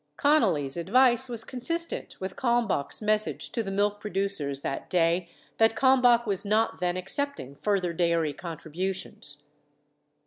3 Connally's advice was consistent with Kalmbach's message to the milk producers that day that Kalmbach was not then accepting further dairy contributions.